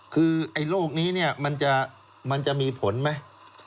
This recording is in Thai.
คือโรคนี้มันจะมีผลไหม